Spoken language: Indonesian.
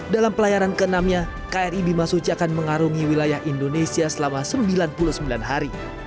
dalam pelayaran ke enam nya kri bimasuci akan mengarungi wilayah indonesia selama sembilan puluh sembilan hari